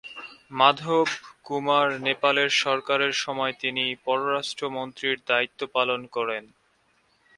মাধব কুমার নেপালের সরকারের সময়ে তিনি পররাষ্ট্র মন্ত্রীর দায়িত্ব পালন করেন।